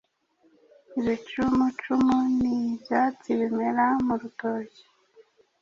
Ibicumucumu ni ibyatsi bimera mu rutoki.